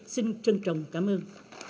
xin trân trọng cảm ơn